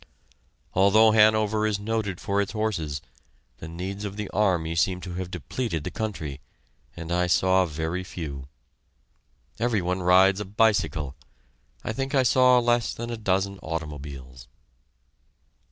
Although Hanover is noted for its horses, the needs of the army seem to have depleted the country, and I saw very few. Every one rides a bicycle. I think I saw less than a dozen automobiles.